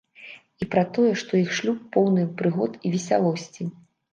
І пра тое, што іх шлюб поўны прыгод і весялосці.